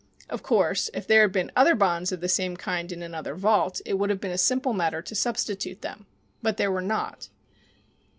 Of course, if there had been other bonds of the same kind in another vault it would have been a simple matter to substitute them. But there were not.